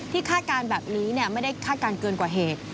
คาดการณ์แบบนี้ไม่ได้คาดการณ์เกินกว่าเหตุ